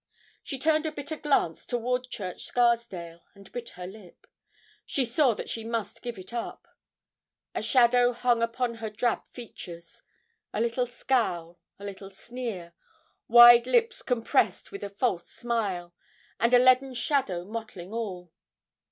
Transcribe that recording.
She turned a bitter glance toward Church Scarsdale, and bit her lip. She saw that she must give it up. A shadow hung upon her drab features. A little scowl a little sneer wide lips compressed with a false smile, and a leaden shadow mottling all.